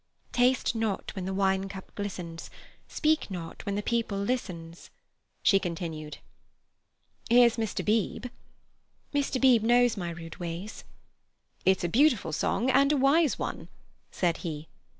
"Taste not when the wine cup glistens, Speak not when the people listens," she continued. "Here's Mr. Beebe." "Mr. Beebe knows my rude ways." "It's a beautiful song and a wise one," said he.